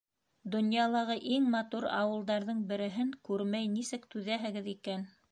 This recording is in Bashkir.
Донъялағы иң матур ауылдарҙың береһен күрмәй нисек түҙәһегеҙ икән?